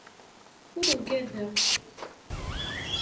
Ur ugadeɣ.